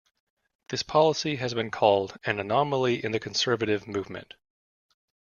This policy has been called "an anomaly in the Conservative movement".